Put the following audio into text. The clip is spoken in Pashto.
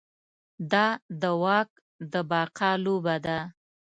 دا د واک د بقا لوبه ده.